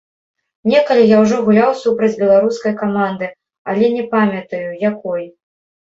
Некалі я ўжо гуляў супраць беларускай каманды, але не памятаю, якой.